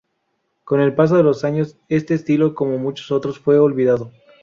Con el paso de los años este estilo como muchos otros fue olvidado.